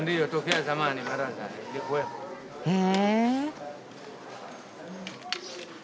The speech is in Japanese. へえ。